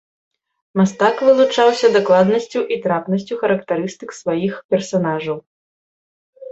Мастак вылучаўся дакладнасцю і трапнасцю характарыстык сваіх персанажаў.